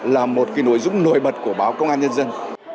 là một nội dung nổi bật của báo công an nhân dân